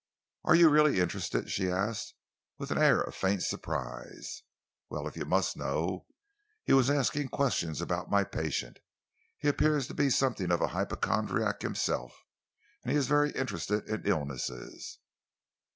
"Are you really interested?" she asked, with an air of faint surprise. "Well, if you must know, he was asking questions about my patient. He appears to be something of a hypochondriac himself, and he is very interested in illnesses."